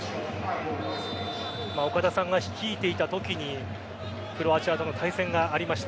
岡田さんが率いていたときにクロアチアとの対戦がありました。